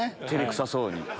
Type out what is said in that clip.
照れくさそうに。